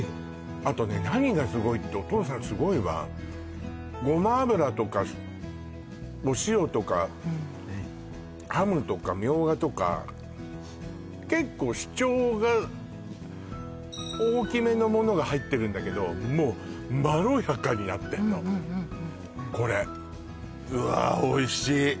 あとね何がすごいってお父さんすごいわごま油とかお塩とかうんはいハムとかみょうがとか結構主張が大きめのものが入ってるんだけどもうまろやかになってんのこれうわっおいしい！